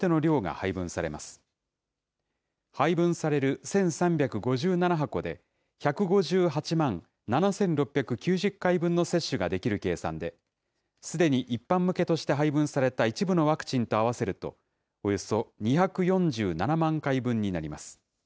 配分される１３５７箱で、１５８万７６９０回分の接種ができる計算で、すでに一般向けとして配分された一部のワクチンと合わせると、およそ２４７万回分になります。